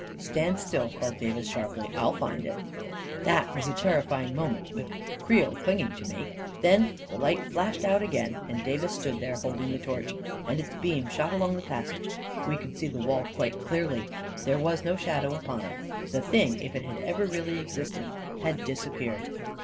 " Stand still! " called Davis sharply. " I'll find it!" 220 A KING IN BABYLON That was a terrifying moment, with Creel cling ing to me ... Then the light flashed out again, and Davis stood there, holding the torch. 'As its beam shot along the passage, we could see the wall quite clearly. There was no shadow upon it. The Thing — if it had ever really existed — had disappeared.